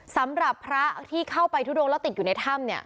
สำหรับพระที่เข้าไปทุดงแล้วติดอยู่ในถ้ำ